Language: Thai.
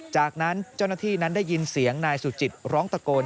จากนั้นเจ้าหน้าที่นั้นได้ยินเสียงนายสุจิตร้องตะโกน